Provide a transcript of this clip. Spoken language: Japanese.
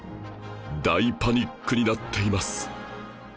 大パニックになっています